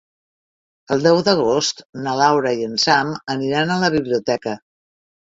El deu d'agost na Laura i en Sam aniran a la biblioteca.